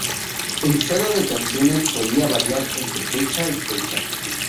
El listado de canciones podía variar entre fecha y fecha.